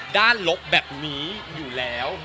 ลบแบบนี้อยู่แล้ว